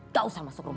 gak usah masuk rumah